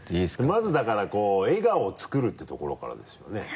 まずだからこう笑顔を作るっていうところからですよね。